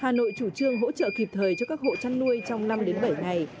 hà nội chủ trương hỗ trợ kịp thời cho các hộ chăn nuôi trong năm đến bảy ngày